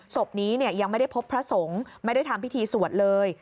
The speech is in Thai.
ศพนี้ยังไม่ได้พบพระสงฆ์ไม่ได้ทำพิธีสวดเลย